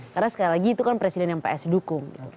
karena sekali lagi itu kan presiden yang ps dukung